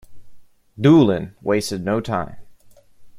Doolin wasted no time.